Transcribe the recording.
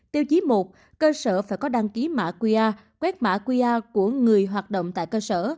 tiêu chí một cơ sở phải có đăng ký mã qr quét mã qr của người hoạt động tại cơ sở